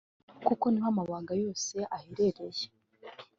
kuko niho amabanga yose aherereye